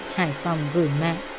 hải phòng gửi mẹ